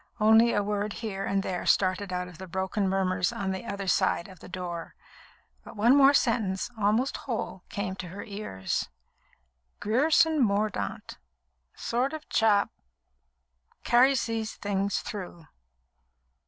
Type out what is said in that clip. Only a word here and there started out of the broken murmurs on the other side of the door; but one more sentence, almost whole, came to her ears. "Grierson Mordaunt ... sort of chap ... carries these things through."